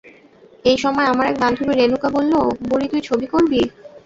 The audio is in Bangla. এই সময় আমার এক বান্ধবী রেণুকা বলল, বুড়ি তুই ছবি করবি?